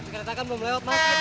kereta kan belum lewat mas